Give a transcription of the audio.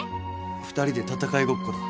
２人で戦いごっこだ。